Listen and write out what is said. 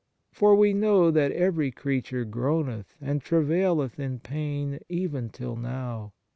... For we know that every creature groaneth and travaileth in pain even till now.